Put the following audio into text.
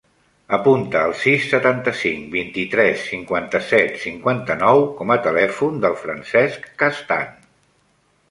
Apunta el sis, setanta-cinc, vint-i-tres, cinquanta-set, cinquanta-nou com a telèfon del Francesc Castan.